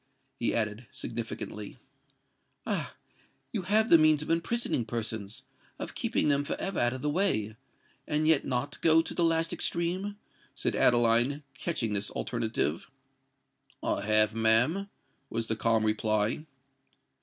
he added, significantly. "Ah! you have the means of imprisoning persons—of keeping them for ever out of the way—and yet not go to the last extreme?" said Adeline, catching at this alternative. "I have, ma'am," was the calm reply.